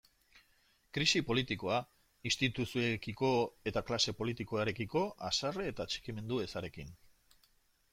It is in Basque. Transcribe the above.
Krisi politikoa, instituzioekiko eta klase politikoarekiko haserre eta atxikimendu ezarekin.